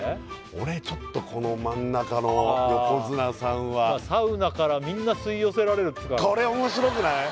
俺ちょっとこの真ん中の横綱さんはサウナからみんな吸い寄せられるこれ面白くない？